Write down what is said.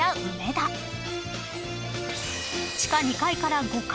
［地下２階から５階］